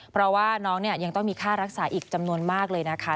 เพราะว่าน้องเนี่ยยังต้องมีค่ารักษาอีกจำนวนมากเลยนะคะ